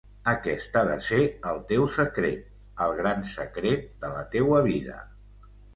Aquest ha de ser el teu secret, el gran secret de la teua vida.